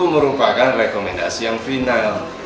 merupakan rekomendasi yang final